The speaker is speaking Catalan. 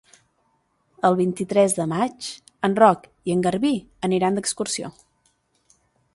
El vint-i-tres de maig en Roc i en Garbí aniran d'excursió.